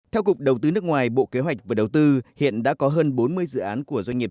theo cục đầu tư nước ngoài bộ kế hoạch và đầu tư hiện đã có hơn bốn mươi dự án của doanh nghiệp